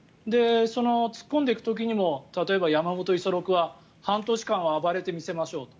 突っ込んでいく時にも例えば山本五十六は半年間は暴れてみせましょうと。